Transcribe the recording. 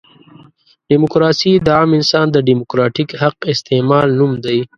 ډیموکراسي د عام انسان د ډیموکراتیک حق استعمال نوم دی.